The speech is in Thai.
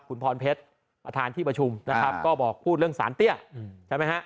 คุณพรเพชรประธานที่ประชุมนะครับก็บอกพูดเรื่องสารเตี้ยใช่ไหมฮะ